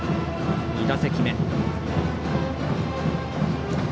２打席目。